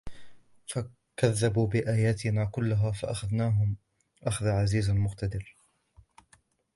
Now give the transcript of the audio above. كذبوا بآياتنا كلها فأخذناهم أخذ عزيز مقتدر